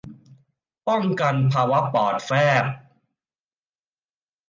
ป้องกันภาวะปอดแฟบ